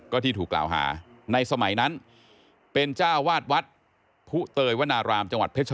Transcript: ก็ที่ถูกกล่าวหาในสมัยนั้นเป็นเจ้าหวัดวัดผู้เตยวนาหราม